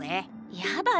やだよ